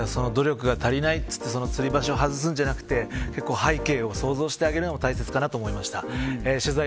努力が足りないと言ってつり橋を外すのではなくて背景を想像するのも大切かなと思いました。